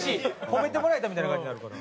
褒めてもらえたみたいな感じになるから。